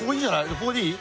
ここでいい？